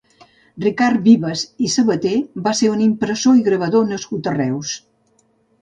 Ricard Vives i Sabaté va ser un impressor i gravador nascut a Reus.